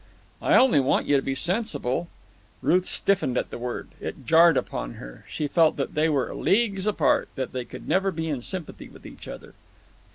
"I only want you to be sensible." Ruth stiffened at the word. It jarred upon her. She felt that they were leagues apart, that they could never be in sympathy with each other.